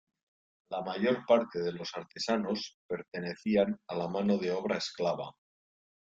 La mayor parte de los artesanos pertenecían a la mano de obra esclava.